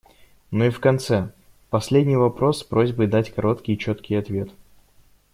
Ну и в конце - последний вопрос с просьбой дать короткий и четкий ответ.